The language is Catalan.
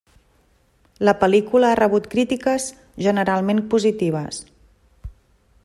La pel·lícula ha rebut crítiques generalment positives.